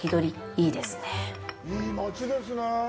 いいですね。